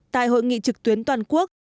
tại hội nghị trực tuyến toàn quốc